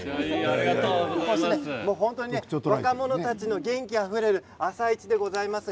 若者たちの元気あふれる朝市でございます。